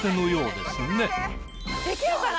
できるかな？